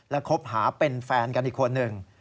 และคบหาเป็นแฟนกันอีกคนหนึ่ง